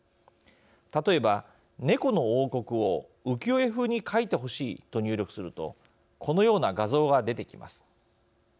例えば猫の王国を浮世絵風に描いてほしいと入力するとこのような画像が出てきます。